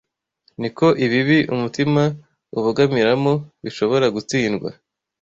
ni ko ibibi umutima ubogamiramo bishobora gutsindwa